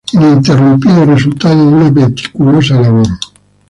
ininterrumpido resultado de una meticulosa labor